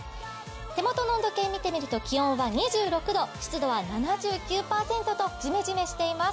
手元の温度計見てみると気温は２６度、湿度は７９％とじめじめしています。